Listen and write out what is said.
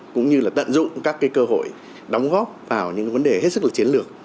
cũng như tận dụng các cơ hội đóng góp vào những vấn đề hết sức chiến lược